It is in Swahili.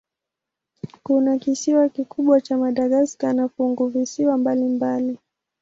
Kuna kisiwa kikubwa cha Madagaska na funguvisiwa mbalimbali.